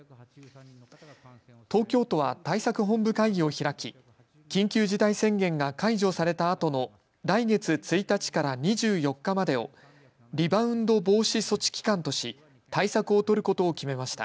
東京都は対策本部会議を開き緊急事態宣言が解除されたあとの来月１日から２４日までをリバウンド防止措置期間とし対策を取ることを決めました。